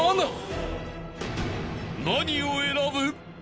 ［何を選ぶ？］